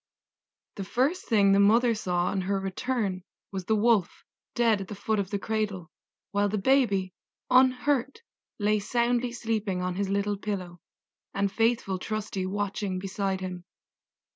The first thing the mother saw on her return was the Wolf dead at the foot of the cradle, while the baby, unhurt, lay soundly sleeping on his little pillow, and faithful Trusty watching beside him.